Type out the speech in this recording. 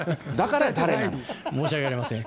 申し訳ありません。